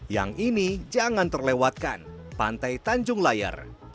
yang ini jangan terlewatkan pantai tanjung layar